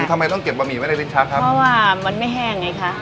ทำไมต้องเก็บบะหมี่ไว้ในลิ้นชักครับเพราะว่ามันไม่แห้งไงคะ